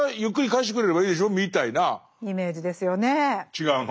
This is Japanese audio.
違うの？